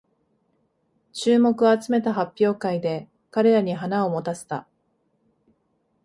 注目を集めた発表会で彼らに花を持たせた